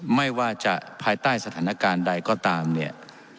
ไม่ว่าจะภายใต้สถานการณ์ใดก็ตามเนี่ย